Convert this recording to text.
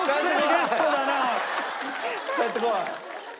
帰ってこい！